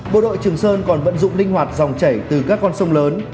bộ đội trường sơn còn vận dụng linh hoạt dòng chảy từ các con sông lớn